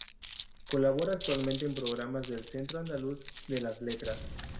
Colabora actualmente en programas del Centro Andaluz de las Letras.